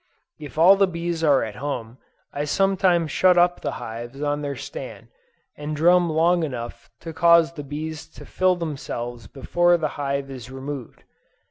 If all the bees are at home, I sometimes shut up the hives on their stand, and drum long enough to cause the bees to fill themselves before the hive is removed.